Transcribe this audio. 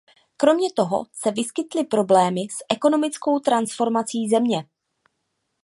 Kromě toho se vyskytly problémy s ekonomickou transformací země.